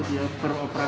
untuk eur swo rupiah